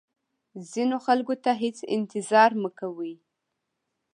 ځینو خلکو ته هیڅ انتظار مه کوئ.